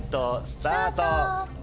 スタート！